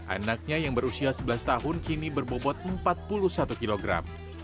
anaknya yang berusia sebelas tahun kini berbobot empat puluh satu kilogram